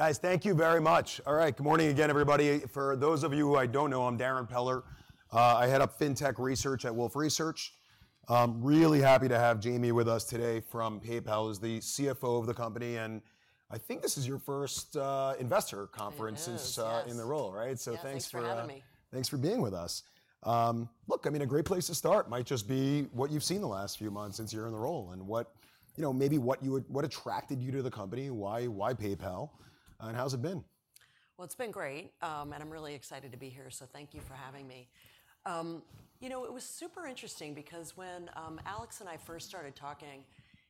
Guys, thank you very much. All right, good morning again, everybody. For those of you who I don't know, I'm Darrin Peller. I head up FinTech research at Wolfe Research. Really happy to have Jamie with us today from PayPal. He's the CFO of the company. And I think this is your first investor conference since in the role, right? So thanks for. Thanks for having me. Thanks for being with us. Look, I mean, a great place to start might just be what you've seen the last few months since you're in the role and maybe what attracted you to the company, why PayPal, and how's it been? Well, it's been great. I'm really excited to be here. Thank you for having me. You know, it was super interesting because when Alex and I first started talking,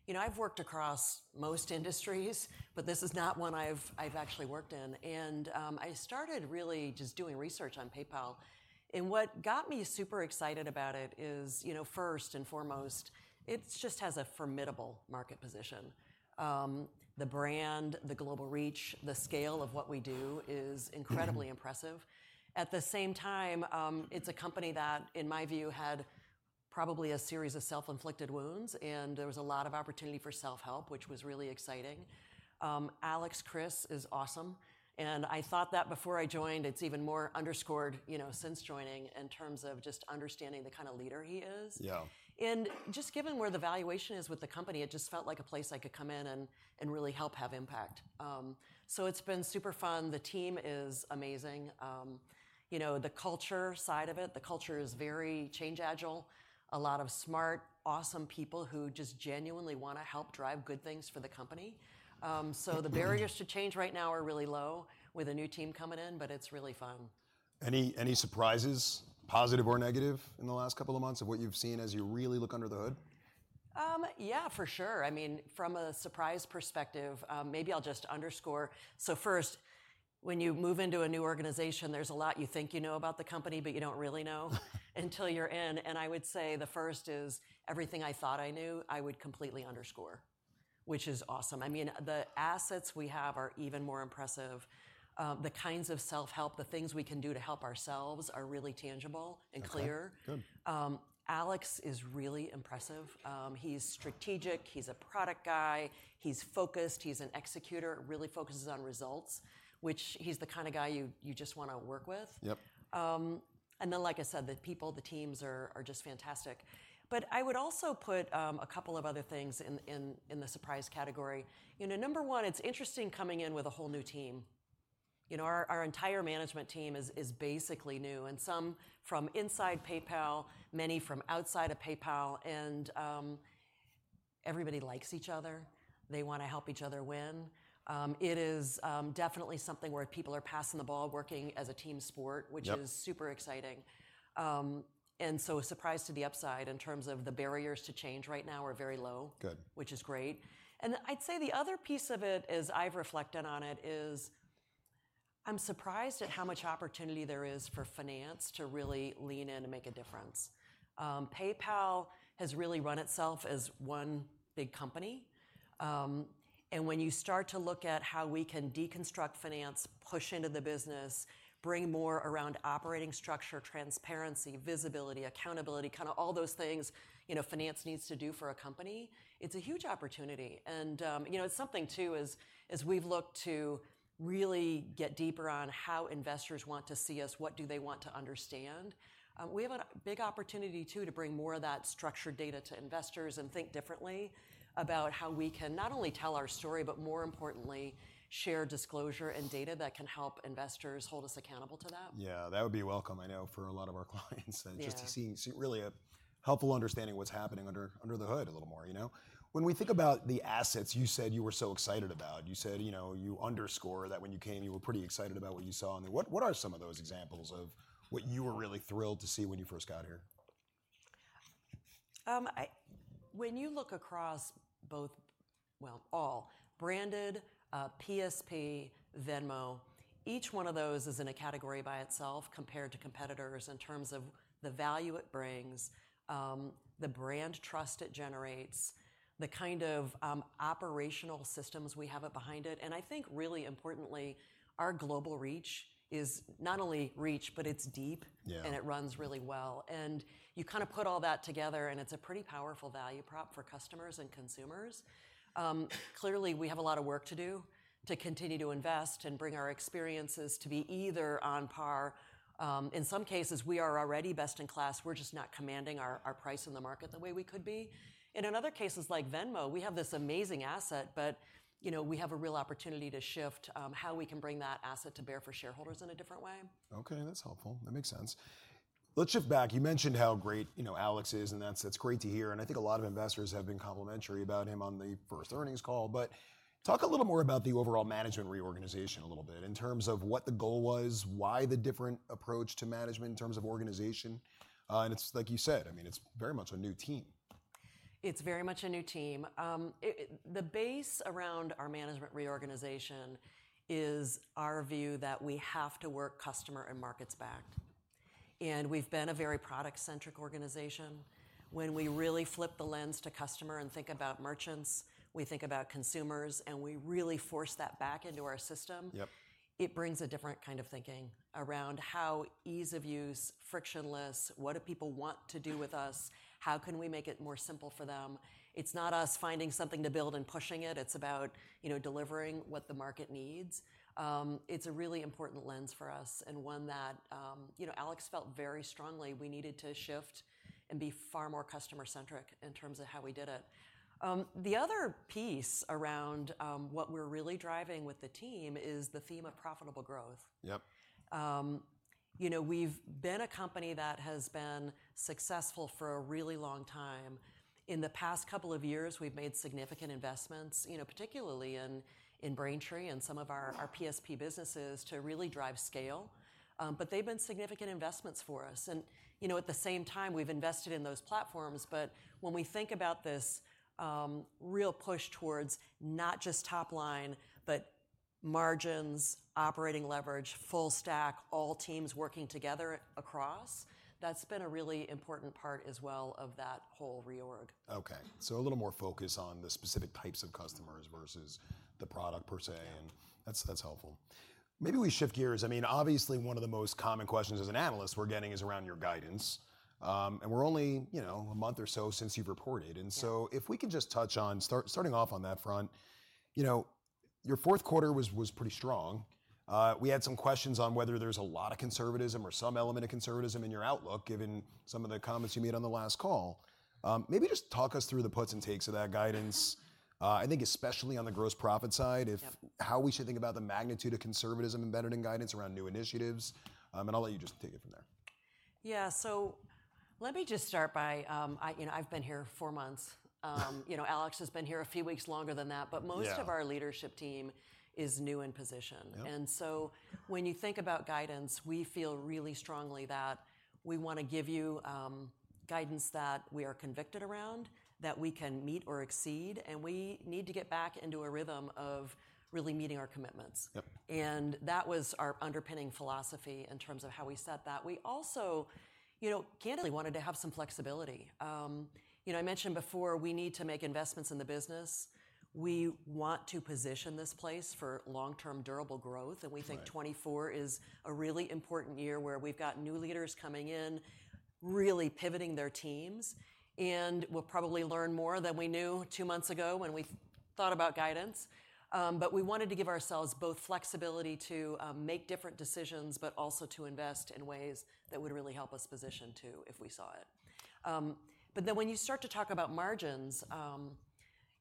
you know, I've worked across most industries. But this is not one I've actually worked in. I started really just doing research on PayPal. What got me super excited about it is, first and foremost, it just has a formidable market position. The brand, the global reach, the scale of what we do is incredibly impressive. At the same time, it's a company that, in my view, had probably a series of self-inflicted wounds. There was a lot of opportunity for self-help, which was really exciting. Alex Chriss is awesome. I thought that before I joined, it's even more underscored since joining in terms of just understanding the kind of leader he is. Yeah. Just given where the valuation is with the company, it just felt like a place I could come in and really help have impact. So it's been super fun. The team is amazing. You know, the culture side of it, the culture is very change agile, a lot of smart, awesome people who just genuinely want to help drive good things for the company. So the barriers to change right now are really low with a new team coming in. But it's really fun. Any surprises, positive or negative, in the last couple of months of what you've seen as you really look under the hood? Yeah, for sure. I mean, from a surprise perspective, maybe I'll just underscore so first, when you move into a new organization, there's a lot you think you know about the company. But you don't really know until you're in. And I would say the first is everything I thought I knew, I would completely underscore, which is awesome. I mean, the assets we have are even more impressive. The kinds of self-help, the things we can do to help ourselves are really tangible and clear. Good. Good. Alex is really impressive. He's strategic. He's a product guy. He's focused. He's an executor. It really focuses on results, which he's the kind of guy you just want to work with. Yep. And then, like I said, the people, the teams are just fantastic. But I would also put a couple of other things in the surprise category. Number one, it's interesting coming in with a whole new team. Our entire management team is basically new, and some from inside PayPal, many from outside of PayPal. And everybody likes each other. They want to help each other win. It is definitely something where people are passing the ball, working as a team sport, which is super exciting. And so a surprise to the upside in terms of the barriers to change right now are very low, which is great. And I'd say the other piece of it, as I've reflected on it, is I'm surprised at how much opportunity there is for finance to really lean in and make a difference. PayPal has really run itself as one big company. When you start to look at how we can deconstruct finance, push into the business, bring more around operating structure, transparency, visibility, accountability, kind of all those things finance needs to do for a company, it's a huge opportunity. It's something, too, as we've looked to really get deeper on how investors want to see us, what do they want to understand? We have a big opportunity, too, to bring more of that structured data to investors and think differently about how we can not only tell our story, but more importantly, share disclosure and data that can help investors hold us accountable to that. Yeah, that would be welcome, I know, for a lot of our clients, just to see really a helpful understanding of what's happening under the hood a little more. When we think about the assets you said you were so excited about, you said you underscore that when you came, you were pretty excited about what you saw. And what are some of those examples of what you were really thrilled to see when you first got here? When you look across both, well, all, Branded, PSP, Venmo, each one of those is in a category by itself compared to competitors in terms of the value it brings, the brand trust it generates, the kind of operational systems we have behind it. And I think, really importantly, our global reach is not only reach, but it's deep. And it runs really well. And you kind of put all that together. And it's a pretty powerful value prop for customers and consumers. Clearly, we have a lot of work to do to continue to invest and bring our experiences to be either on par. In some cases, we are already best in class. We're just not commanding our price in the market the way we could be. And in other cases, like Venmo, we have this amazing asset. But we have a real opportunity to shift how we can bring that asset to bear for shareholders in a different way. OK, that's helpful. That makes sense. Let's shift back. You mentioned how great Alex is. And that's great to hear. And I think a lot of investors have been complimentary about him on the first earnings call. But talk a little more about the overall management reorganization a little bit in terms of what the goal was, why the different approach to management in terms of organization. And it's, like you said, I mean, it's very much a new team. It's very much a new team. The base around our management reorganization is our view that we have to work customer and markets backed. We've been a very product-centric organization. When we really flip the lens to customer and think about merchants, we think about consumers. We really force that back into our system. It brings a different kind of thinking around how ease of use, frictionless, what do people want to do with us, how can we make it more simple for them. It's not us finding something to build and pushing it. It's about delivering what the market needs. It's a really important lens for us and one that Alex felt very strongly we needed to shift and be far more customer-centric in terms of how we did it. The other piece around what we're really driving with the team is the theme of profitable growth. Yep. We've been a company that has been successful for a really long time. In the past couple of years, we've made significant investments, particularly in Braintree and some of our PSP businesses to really drive scale. But they've been significant investments for us. And at the same time, we've invested in those platforms. But when we think about this real push towards not just top line, but margins, operating leverage, full stack, all teams working together across, that's been a really important part as well of that whole reorg. OK, so a little more focus on the specific types of customers versus the product per se. And that's helpful. Maybe we shift gears. I mean, obviously, one of the most common questions as an analyst we're getting is around your guidance. And we're only a month or so since you've reported. And so if we can just touch on starting off on that front, your fourth quarter was pretty strong. We had some questions on whether there's a lot of conservatism or some element of conservatism in your outlook, given some of the comments you made on the last call. Maybe just talk us through the puts and takes of that guidance, I think, especially on the gross profit side, how we should think about the magnitude of conservatism embedded in guidance around new initiatives. And I'll let you just take it from there. Yeah, so let me just start by I've been here four months. Alex has been here a few weeks longer than that. But most of our leadership team is new in position. And so when you think about guidance, we feel really strongly that we want to give you guidance that we are convicted around, that we can meet or exceed. And we need to get back into a rhythm of really meeting our commitments. And that was our underpinning philosophy in terms of how we set that. We also candidly wanted to have some flexibility. I mentioned before, we need to make investments in the business. We want to position this place for long-term, durable growth. And we think 2024 is a really important year where we've got new leaders coming in, really pivoting their teams. And we'll probably learn more than we knew two months ago when we thought about guidance. But we wanted to give ourselves both flexibility to make different decisions, but also to invest in ways that would really help us position, too, if we saw it. But then when you start to talk about margins,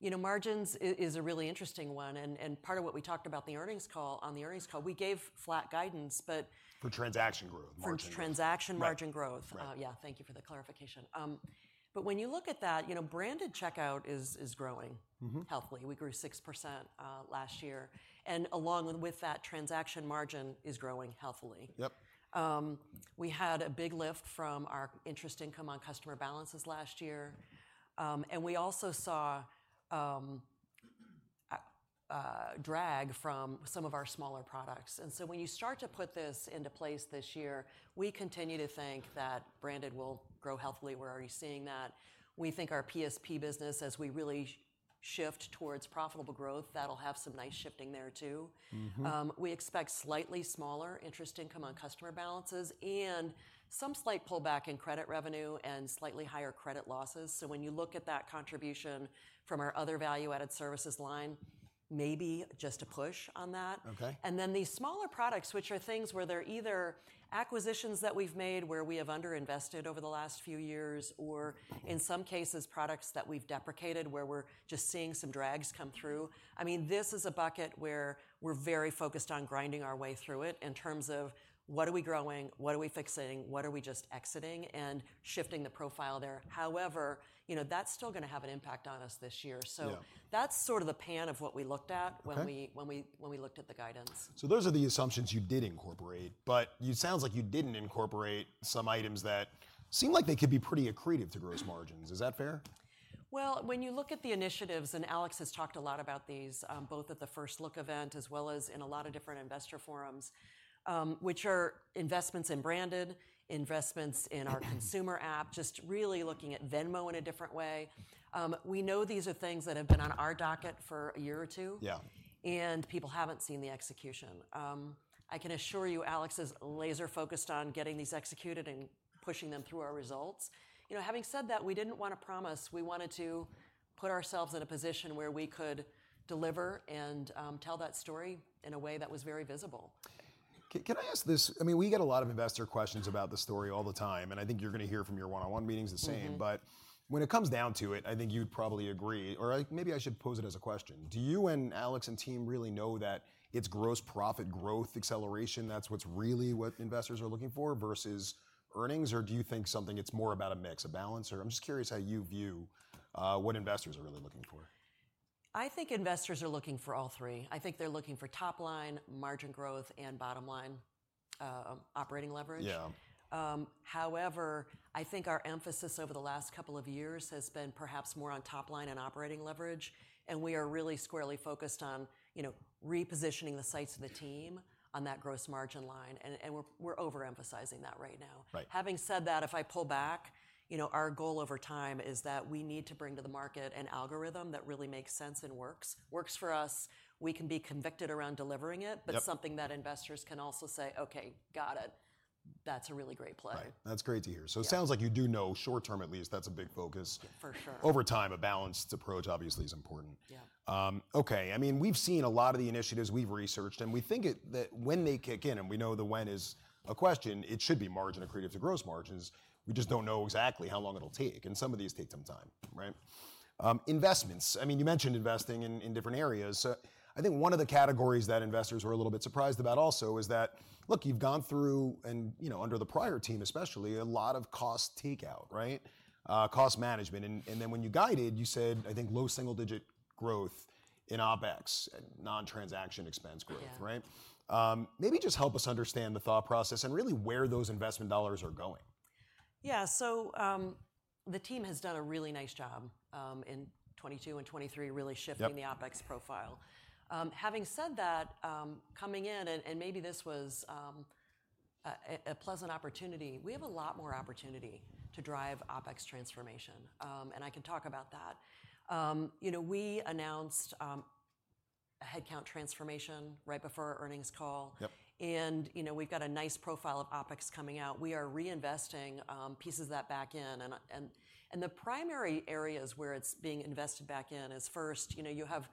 margins is a really interesting one. And part of what we talked about on the earnings call, we gave flat guidance. But. For transaction growth, margin growth. For transaction margin growth. Yeah, thank you for the clarification. But when you look at that, Branded Checkout is growing healthily. We grew 6% last year. And along with that, transaction margin is growing healthily. We had a big lift from our interest income on customer balances last year. And we also saw drag from some of our smaller products. And so when you start to put this into place this year, we continue to think that Branded will grow healthily. We're already seeing that. We think our PSP business, as we really shift towards profitable growth, that'll have some nice shifting there, too. We expect slightly smaller interest income on customer balances and some slight pullback in credit revenue and slightly higher credit losses. So when you look at that contribution from our Other Value-Added Services line, maybe just a push on that. And then these smaller products, which are things where they're either acquisitions that we've made where we have underinvested over the last few years or, in some cases, products that we've deprecated where we're just seeing some drags come through, I mean, this is a bucket where we're very focused on grinding our way through it in terms of what are we growing, what are we fixing, what are we just exiting, and shifting the profile there. However, that's still going to have an impact on us this year. So that's sort of the plan of what we looked at when we looked at the guidance. Those are the assumptions you did incorporate. It sounds like you didn't incorporate some items that seem like they could be pretty accretive to gross margins. Is that fair? Well, when you look at the initiatives and Alex has talked a lot about these both at the First Look event as well as in a lot of different investor forums, which are investments in Branded, investments in our consumer app, just really looking at Venmo in a different way, we know these are things that have been on our docket for a year or two. Yeah, and people haven't seen the execution. I can assure you Alex is laser-focused on getting these executed and pushing them through our results. Having said that, we didn't want to promise. We wanted to put ourselves in a position where we could deliver and tell that story in a way that was very visible. Can I ask this? I mean, we get a lot of investor questions about the story all the time. And I think you're going to hear from your one-on-one meetings the same. But when it comes down to it, I think you'd probably agree. Or maybe I should pose it as a question. Do you and Alex and team really know that it's gross profit growth acceleration that's what's really what investors are looking for versus earnings? Or do you think something it's more about a mix, a balance? Or I'm just curious how you view what investors are really looking for. I think investors are looking for all three. I think they're looking for top line, margin growth, and bottom line, operating leverage. Yeah, however, I think our emphasis over the last couple of years has been perhaps more on top line and operating leverage. And we are really squarely focused on repositioning the sights of the team on that gross margin line. And we're overemphasizing that right now. Having said that, if I pull back, our goal over time is that we need to bring to the market an algorithm that really makes sense and works. Works for us. We can be convicted around delivering it. But something that investors can also say, OK, got it. That's a really great play. Right, that's great to hear. So it sounds like you do know short-term at least, that's a big focus. For sure. Over time, a balanced approach, obviously, is important. OK, I mean, we've seen a lot of the initiatives we've researched. And we think that when they kick in and we know the when is a question, it should be margin accretive to gross margins. We just don't know exactly how long it'll take. And some of these take some time. Investments, I mean, you mentioned investing in different areas. I think one of the categories that investors were a little bit surprised about also is that, look, you've gone through, and under the prior team especially, a lot of cost takeout, cost management. And then when you guided, you said, I think, low single-digit growth in OPEX, non-transaction expense growth. Maybe just help us understand the thought process and really where those investment dollars are going. Yeah, so the team has done a really nice job in 2022 and 2023 really shifting the OpEx profile. Having said that, coming in and maybe this was a pleasant opportunity, we have a lot more opportunity to drive OpEx transformation. I can talk about that. We announced a headcount transformation right before our earnings call. We've got a nice profile of OpEx coming out. We are reinvesting pieces of that back in. The primary areas where it's being invested back in is first, you have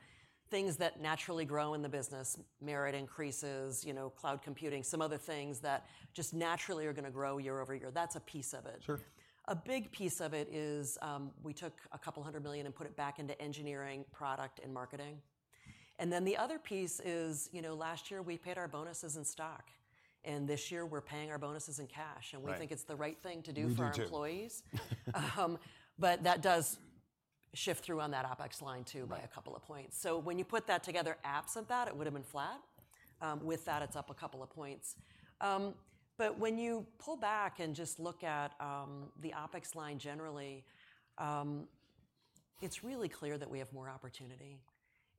things that naturally grow in the business, merit increases, cloud computing, some other things that just naturally are going to grow year-over-year. That's a piece of it. A big piece of it is we took $200 million and put it back into engineering, product, and marketing. And then the other piece is last year, we paid our bonuses in stock. This year, we're paying our bonuses in cash. And we think it's the right thing to do for our employees. But that does shift through on that OpEx line, too, by a couple of points. So when you put that together absent that, it would have been flat. With that, it's up a couple of points. But when you pull back and just look at the OpEx line generally, it's really clear that we have more opportunity.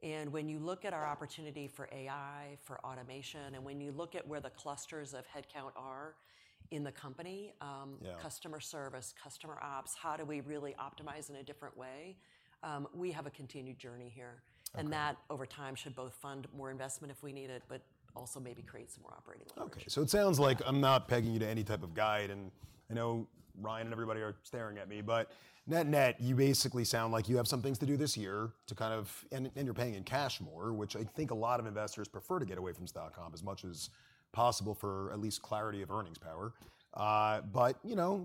And when you look at our opportunity for AI, for automation, and when you look at where the clusters of headcount are in the company, customer service, customer ops, how do we really optimize in a different way, we have a continued journey here. That, over time, should both fund more investment if we need it, but also maybe create some more operating leverage. OK, so it sounds like I'm not pegging you to any type of guide. And I know Ryan and everybody are staring at me. But net-net, you basically sound like you have some things to do this year to kind of and you're paying in cash more, which I think a lot of investors prefer to get away from stock comp as much as possible for at least clarity of earnings power. But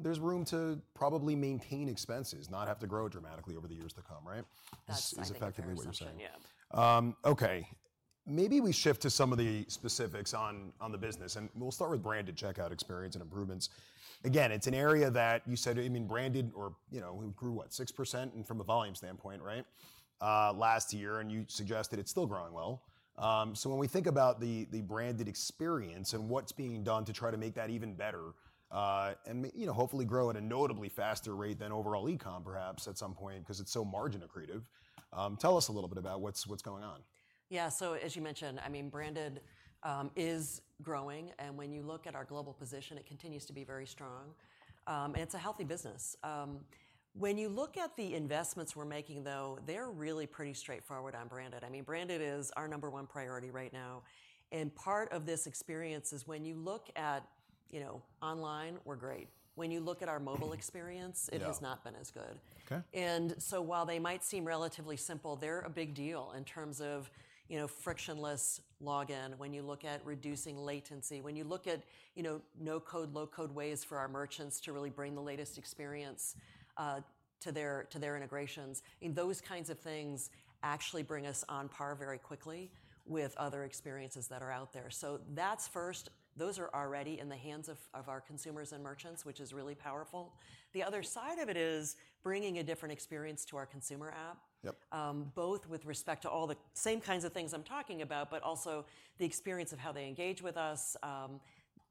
there's room to probably maintain expenses, not have to grow dramatically over the years to come. That's exactly what you're saying. Okay, maybe we shift to some of the specifics on the business. We'll start with Branded Checkout experience and improvements. Again, it's an area that you said Branded grew, what, 6% from a volume standpoint last year. You suggested it's still growing well. When we think about the Branded experience and what's being done to try to make that even better and hopefully grow at a notably faster rate than overall e-com, perhaps, at some point because it's so margin accretive, tell us a little bit about what's going on. Yeah, so as you mentioned, I mean, Branded is growing. And when you look at our global position, it continues to be very strong. And it's a healthy business. When you look at the investments we're making, though, they're really pretty straightforward on Branded. I mean, Branded is our number one priority right now. And part of this experience is when you look at online, we're great. When you look at our mobile experience, it has not been as good. And so while they might seem relatively simple, they're a big deal in terms of frictionless login. When you look at reducing latency, when you look at no-code, low-code ways for our merchants to really bring the latest experience to their integrations, those kinds of things actually bring us on par very quickly with other experiences that are out there. So that's first. Those are already in the hands of our consumers and merchants, which is really powerful. The other side of it is bringing a different experience to our consumer app, both with respect to all the same kinds of things I'm talking about, but also the experience of how they engage with us,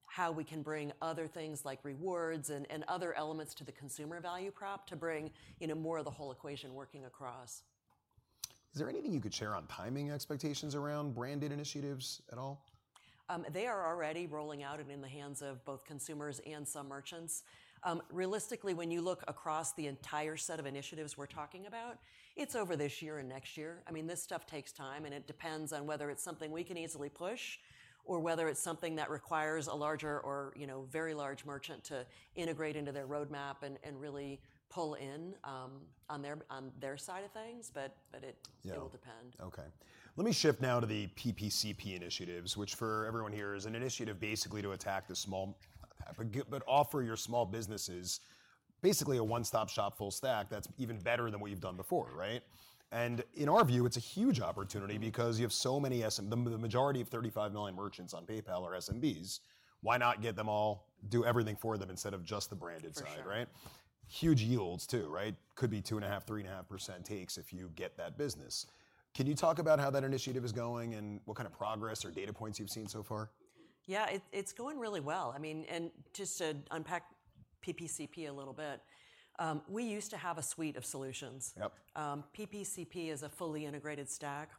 how we can bring other things like rewards and other elements to the consumer value prop to bring more of the whole equation working across. Is there anything you could share on timing expectations around Branded initiatives at all? They are already rolling out and in the hands of both consumers and some merchants. Realistically, when you look across the entire set of initiatives we're talking about, it's over this year and next year. I mean, this stuff takes time. And it depends on whether it's something we can easily push or whether it's something that requires a larger or very large merchant to integrate into their roadmap and really pull in on their side of things. But it will depend. OK, let me shift now to the PPCP initiatives, which for everyone here is an initiative basically to attack the small but offer your small businesses basically a one-stop shop full stack that's even better than what you've done before. And in our view, it's a huge opportunity because you have so many the majority of 35 million merchants on PayPal are SMBs. Why not get them all, do everything for them instead of just the Branded side? Huge yields, too. Could be 2.5%, 3.5% takes if you get that business. Can you talk about how that initiative is going and what kind of progress or data points you've seen so far? Yeah, it's going really well. I mean, and just to unpack PPCP a little bit, we used to have a suite of solutions. PPCP is a fully integrated stack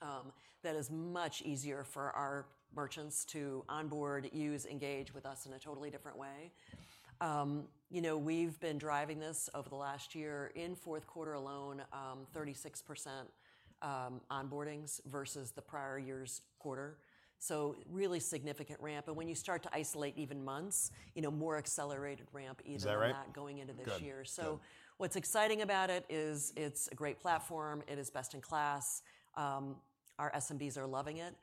that is much easier for our merchants to onboard, use, engage with us in a totally different way. We've been driving this over the last year. In fourth quarter alone, 36% onboardings versus the prior year's quarter. So really significant ramp. And when you start to isolate even months, more accelerated ramp even going into this year. So what's exciting about it is it's a great platform. It is best in class. Our SMBs are loving it.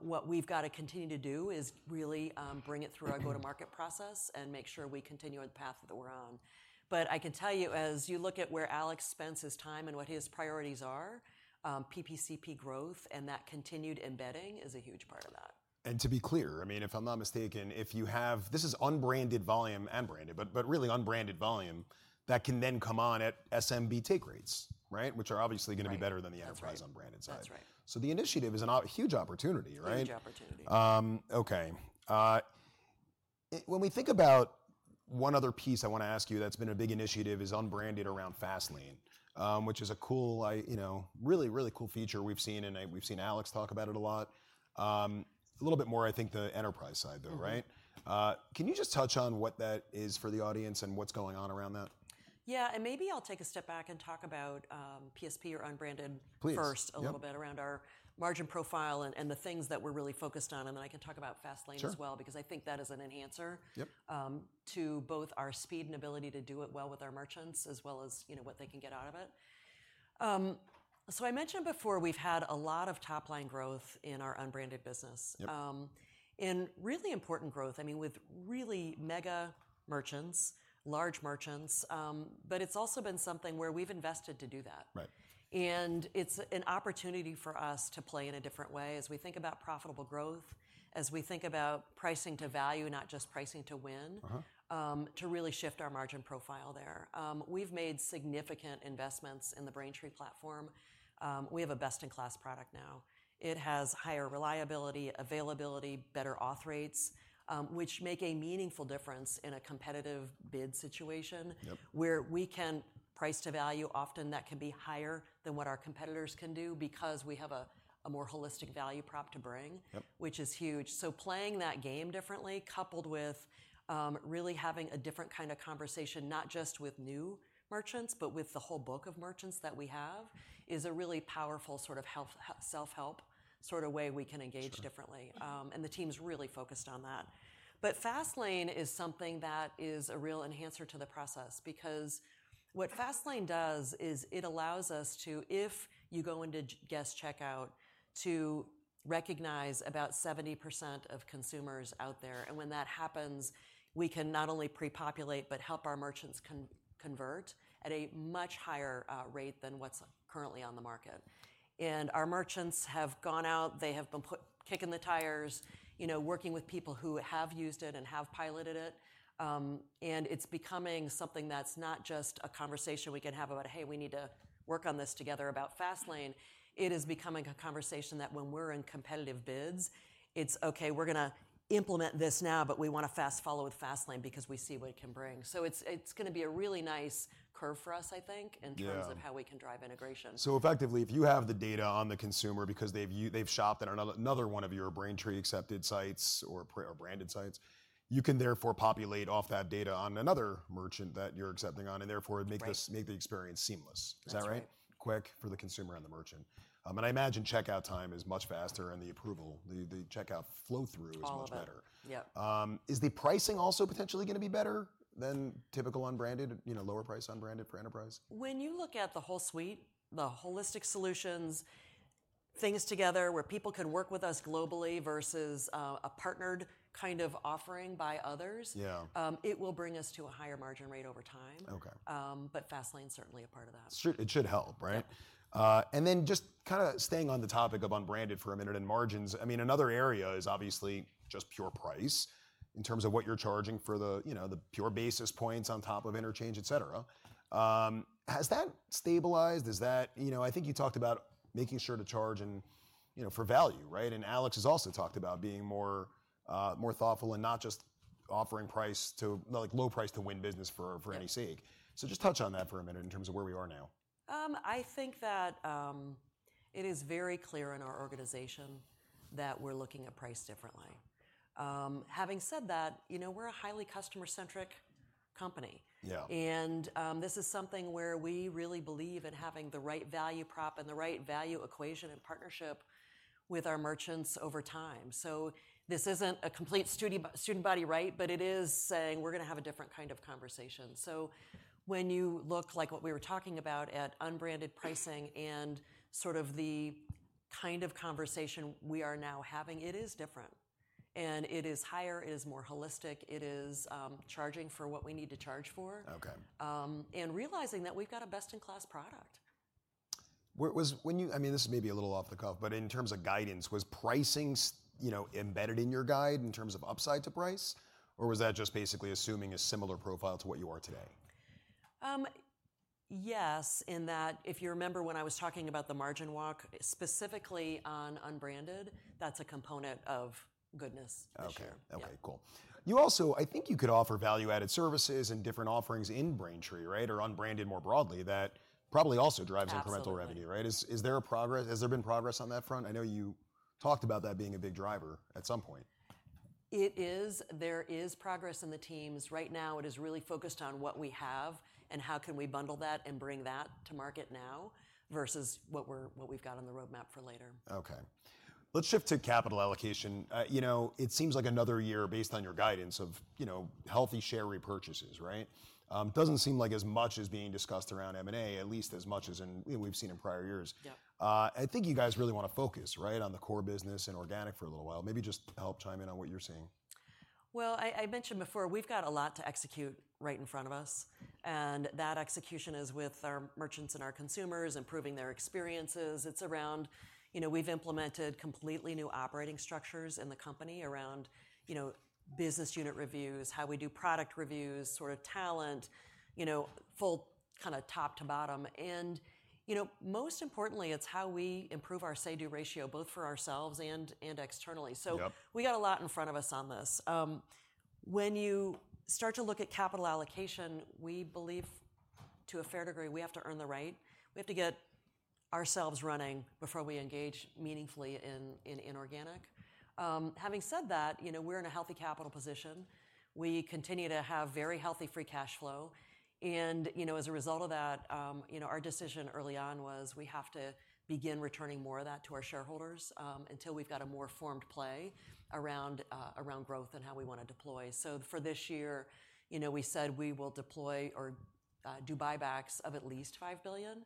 What we've got to continue to do is really bring it through our go-to-market process and make sure we continue on the path that we're on. But I can tell you, as you look at where Alex spends his time and what his priorities are, PPCP growth and that continued embedding is a huge part of that. To be clear, I mean, if I'm not mistaken, if you have this is unbranded volume and branded, but really unbranded volume that can then come on at SMB take rates, which are obviously going to be better than the enterprise unbranded side. So the initiative is a huge opportunity. Huge opportunity. OK, when we think about one other piece I want to ask you that's been a big initiative is unbranded around Fastlane, which is a cool, really, really cool feature we've seen. And we've seen Alex talk about it a lot. A little bit more, I think, the enterprise side, though. Can you just touch on what that is for the audience and what's going on around that? Yeah, and maybe I'll take a step back and talk about PSP or unbranded first a little bit around our margin profile and the things that we're really focused on. And then I can talk about Fastlane as well because I think that is an enhancer to both our speed and ability to do it well with our merchants as well as what they can get out of it. So I mentioned before, we've had a lot of top line growth in our unbranded business and really important growth, I mean, with really mega merchants, large merchants. But it's also been something where we've invested to do that. And it's an opportunity for us to play in a different way as we think about profitable growth, as we think about pricing to value, not just pricing to win, to really shift our margin profile there. We've made significant investments in the Braintree platform. We have a best-in-class product now. It has higher reliability, availability, better auth rates, which make a meaningful difference in a competitive bid situation where we can price to value. Often, that can be higher than what our competitors can do because we have a more holistic value prop to bring, which is huge. So playing that game differently, coupled with really having a different kind of conversation, not just with new merchants, but with the whole book of merchants that we have, is a really powerful sort of self-help sort of way we can engage differently. And the team's really focused on that. But Fastlane is something that is a real enhancer to the process because what Fastlane does is it allows us to, if you go into guest checkout, to recognize about 70% of consumers out there. When that happens, we can not only pre-populate but help our merchants convert at a much higher rate than what's currently on the market. Our merchants have gone out. They have been kicking the tires, working with people who have used it and have piloted it. It's becoming something that's not just a conversation we can have about, hey, we need to work on this together about Fastlane. It is becoming a conversation that when we're in competitive bids, it's, OK, we're going to implement this now. But we want to fast follow with Fastlane because we see what it can bring. It's going to be a really nice curve for us, I think, in terms of how we can drive integration. Effectively, if you have the data on the consumer because they've shopped at another one of your Braintree accepted sites or branded sites, you can therefore populate off that data on another merchant that you're accepting on and therefore make the experience seamless. Is that right? Quick for the consumer and the merchant. I imagine checkout time is much faster. The approval, the checkout flow through is much better. Is the pricing also potentially going to be better than typical unbranded, lower price unbranded for enterprise? When you look at the whole suite, the holistic solutions, things together where people can work with us globally versus a partnered kind of offering by others, it will bring us to a higher margin rate over time. But Fastlane's certainly a part of that. It should help. And then just kind of staying on the topic of unbranded for a minute and margins, I mean, another area is obviously just pure price in terms of what you're charging for the pure basis points on top of interchange, et cetera. Has that stabilized? I think you talked about making sure to charge for value. And Alex has also talked about being more thoughtful and not just offering price to low price to win business for any sake. So just touch on that for a minute in terms of where we are now. I think that it is very clear in our organization that we're looking at price differently. Having said that, we're a highly customer-centric company. This is something where we really believe in having the right value prop and the right value equation and partnership with our merchants over time. This isn't a complete sea change, right? But it is saying, we're going to have a different kind of conversation. When you look like what we were talking about at unbranded pricing and sort of the kind of conversation we are now having, it is different. It is higher. It is more holistic. It is charging for what we need to charge for and realizing that we've got a best-in-class product. I mean, this may be a little off the cuff, but in terms of guidance, was pricing embedded in your guide in terms of upside to price? Or was that just basically assuming a similar profile to what you are today? Yes, in that if you remember when I was talking about the margin walk specifically on unbranded, that's a component of goodness to share. OK, cool. I think you could offer value-added services and different offerings in Braintree, or unbranded more broadly, that probably also drives incremental revenue. Is there been progress on that front? I know you talked about that being a big driver at some point. It is. There is progress in the teams. Right now, it is really focused on what we have and how can we bundle that and bring that to market now versus what we've got on the roadmap for later. OK, let's shift to capital allocation. It seems like another year, based on your guidance, of healthy share repurchases. It doesn't seem like as much is being discussed around M&A, at least as much as we've seen in prior years. I think you guys really want to focus on the core business and organic for a little while. Maybe just help chime in on what you're seeing. Well, I mentioned before, we've got a lot to execute right in front of us. That execution is with our merchants and our consumers, improving their experiences. It's around we've implemented completely new operating structures in the company around business unit reviews, how we do product reviews, sort of talent, full kind of top to bottom. Most importantly, it's how we improve our say-do ratio both for ourselves and externally. We got a lot in front of us on this. When you start to look at capital allocation, we believe to a fair degree, we have to earn the right. We have to get ourselves running before we engage meaningfully in inorganic. Having said that, we're in a healthy capital position. We continue to have very healthy free cash flow. As a result of that, our decision early on was we have to begin returning more of that to our shareholders until we've got a more formed play around growth and how we want to deploy. So for this year, we said we will deploy or do buybacks of at least $5 billion,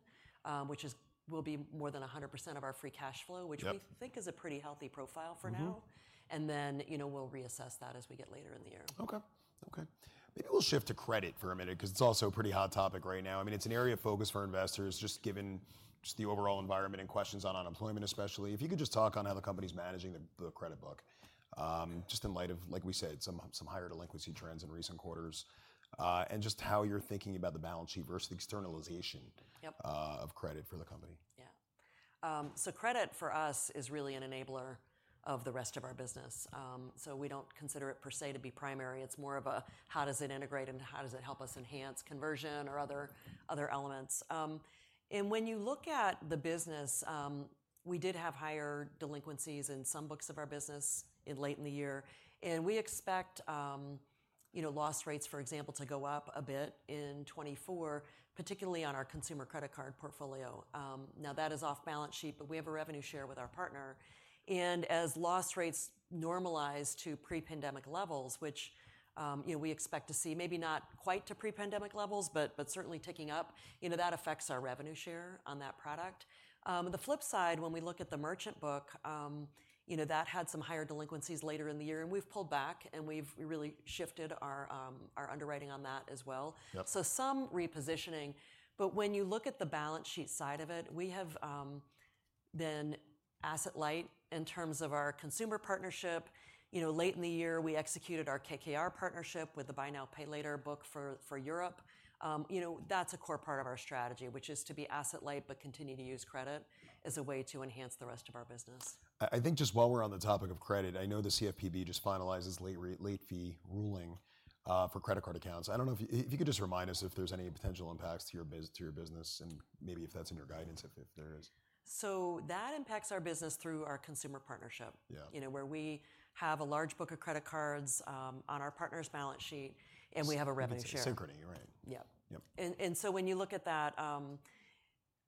which will be more than 100% of our free cash flow, which we think is a pretty healthy profile for now. And then we'll reassess that as we get later in the year. OK, OK. Maybe we'll shift to credit for a minute because it's also a pretty hot topic right now. I mean, it's an area of focus for investors just given the overall environment and questions on unemployment especially. If you could just talk on how the company's managing the credit book just in light of, like we said, some higher delinquency trends in recent quarters and just how you're thinking about the balance sheet versus the externalization of credit for the company? Yeah, so credit for us is really an enabler of the rest of our business. So we don't consider it per se to be primary. It's more of a how does it integrate and how does it help us enhance conversion or other elements. And when you look at the business, we did have higher delinquencies in some books of our business late in the year. And we expect loss rates, for example, to go up a bit in 2024, particularly on our consumer credit card portfolio. Now, that is off balance sheet. But we have a revenue share with our partner. And as loss rates normalize to pre-pandemic levels, which we expect to see, maybe not quite to pre-pandemic levels, but certainly ticking up, that affects our revenue share on that product. The flip side, when we look at the merchant book, that had some higher delinquencies later in the year. We've pulled back. We've really shifted our underwriting on that as well. Some repositioning. When you look at the balance sheet side of it, we have been asset light in terms of our consumer partnership. Late in the year, we executed our KKR partnership with the Buy Now, Pay Later book for Europe. That's a core part of our strategy, which is to be asset light but continue to use credit as a way to enhance the rest of our business. I think just while we're on the topic of credit, I know the CFPB just finalizes late fee ruling for credit card accounts. I don't know if you could just remind us if there's any potential impacts to your business and maybe if that's in your guidance, if there is. That impacts our business through our consumer partnership where we have a large book of credit cards on our partner's balance sheet. We have a revenue share. It's a Synchrony, right? Yep. And so when you look at that,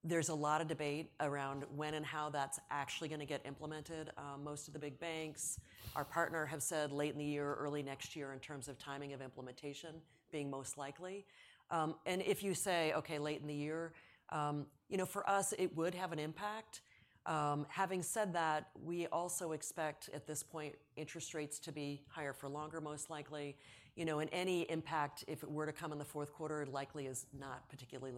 there's a lot of debate around when and how that's actually going to get implemented. Most of the big banks, our partner, have said late in the year, early next year in terms of timing of implementation being most likely. And if you say, OK, late in the year, for us, it would have an impact. Having said that, we also expect at this point interest rates to be higher for longer, most likely. And any impact, if it were to come in the fourth quarter, likely is not particularly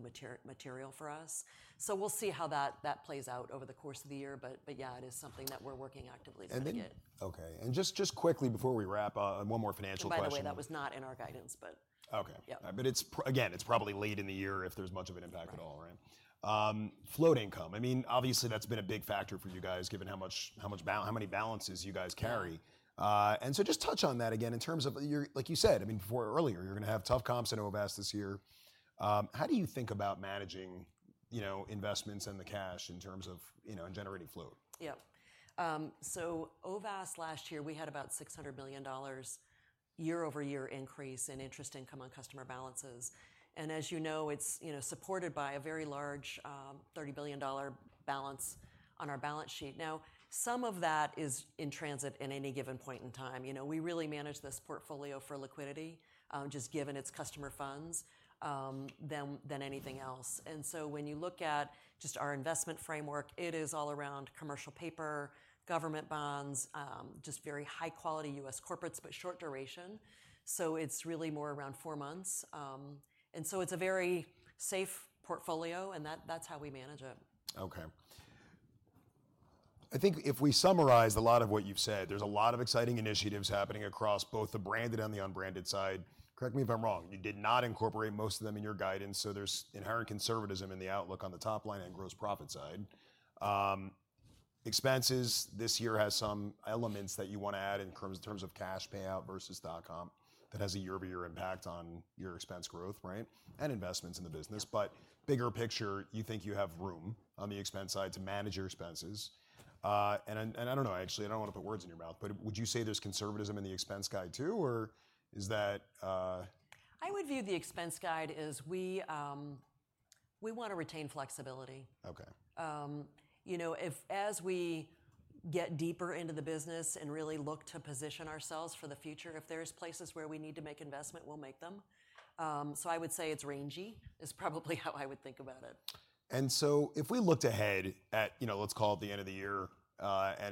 material for us. So we'll see how that plays out over the course of the year. But yeah, it is something that we're working actively to get it. OK, and just quickly before we wrap up, one more financial question. By the way, that was not in our guidance. OK, but again, it's probably late in the year if there's much of an impact at all. Float income, I mean, obviously, that's been a big factor for you guys given how many balances you guys carry. And so just touch on that again in terms of, like you said, I mean, earlier, you're going to have tough comps in OVAS this year. How do you think about managing investments and the cash in terms of generating float? Yep, so OVAS last year, we had about $600 million year-over-year increase in interest income on customer balances. And as you know, it's supported by a very large $30 billion balance on our balance sheet. Now, some of that is in transit at any given point in time. We really manage this portfolio for liquidity just given its customer funds than anything else. And so when you look at just our investment framework, it is all around commercial paper, government bonds, just very high-quality U.S. corporates but short duration. So it's really more around four months. And so it's a very safe portfolio. And that's how we manage it. OK, I think if we summarize a lot of what you've said, there's a lot of exciting initiatives happening across both the branded and the unbranded side. Correct me if I'm wrong. You did not incorporate most of them in your guidance. So there's inherent conservatism in the outlook on the top line and gross profit side. Expenses, this year has some elements that you want to add in terms of cash payout versus dot-com that has a year-over-year impact on your expense growth and investments in the business. But bigger picture, you think you have room on the expense side to manage your expenses. And I don't know, actually. I don't want to put words in your mouth. But would you say there's conservatism in the expense guide too? Or is that? I would view the expense guidance as we want to retain flexibility. As we get deeper into the business and really look to position ourselves for the future, if there's places where we need to make investment, we'll make them. So I would say it's rangy, probably how I would think about it. So if we looked ahead at, let's call it the end of the year.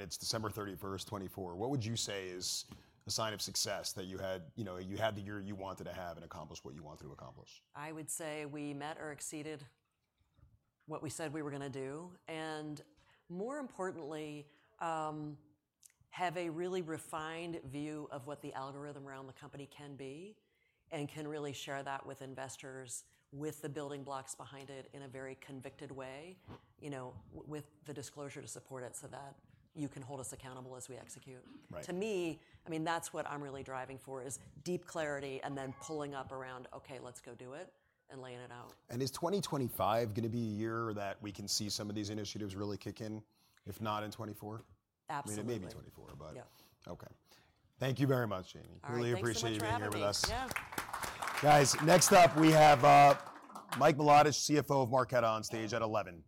It's December 31st, 2024. What would you say is a sign of success that you had the year you wanted to have and accomplished what you wanted to accomplish? I would say we met or exceeded what we said we were going to do. And more importantly, have a really refined view of what the algorithm around the company can be and can really share that with investors with the building blocks behind it in a very convicted way with the disclosure to support it so that you can hold us accountable as we execute. To me, I mean, that's what I'm really driving for is deep clarity and then pulling up around, OK, let's go do it and laying it out. Is 2025 going to be a year that we can see some of these initiatives really kick in, if not in 2024? Absolutely. I mean, it may be 2024. But OK, thank you very much, Jamie. Really appreciate you being here with us. Guys, next up, we have Mike Milotich, CFO of Marqeta, on stage at 11:00 A.M.